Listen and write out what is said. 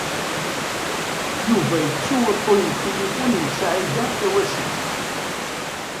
Yuba yettu uṭṭun n tilifun n Saɛida Tawasift.